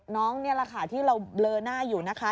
นี่แหละค่ะที่เราเบลอหน้าอยู่นะคะ